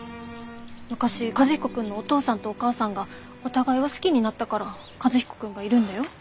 昔和彦君のお父さんとお母さんがお互いを好きになったから和彦君がいるんだよ？